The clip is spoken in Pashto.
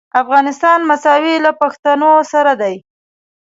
افغانستان مساوي له پښتنو سره دی.